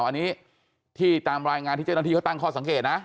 อันนี้ที่ตามรายงานที่เจ้าหน้าที่เขาตั้งข้อสังเกตนะ